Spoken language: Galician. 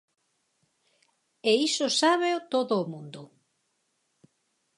E iso sábeo todo o mundo.